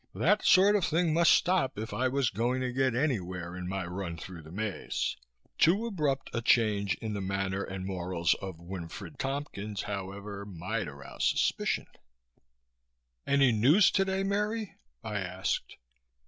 That sort of thing must stop, if I was going to get anywhere in my run through the maze. Too abrupt a change in the manners and morals of Winfred Tompkins, however, might arouse suspicion. "Any news today, Mary?" I asked.